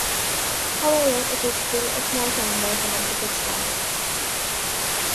However, it is still a small town by Connecticut standards.